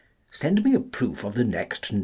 Send me a Proof of the next No.